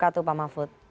terima kasih pak mahfud